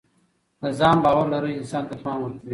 د ځان باور لرل انسان ته توان ورکوي.